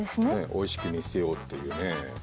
おいしく見せようっていうね。